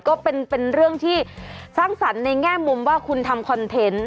ก็เป็นเรื่องที่สร้างสรรค์ในแง่มุมว่าคุณทำคอนเทนต์